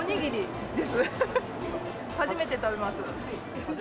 初めて食べます。